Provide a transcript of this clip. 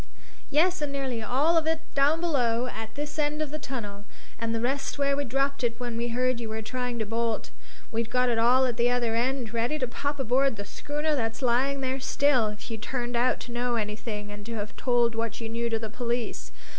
"Yes, and nearly all of it down below, at this end of the tunnel, and the rest where we dropped it when we heard you were trying to bolt. We'd got it all at the other end, ready to pop aboard the schooner that's lying there still, if you turned out to know anything and to have told what you knew to the police.